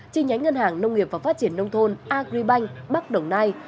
chi nhánh ngân hàng nông nghiệp và phát triển nông thôn agribank bắc đồng nai